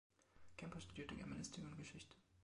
Kemper studierte Germanistik und Geschichte.